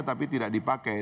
tapi tidak dipakai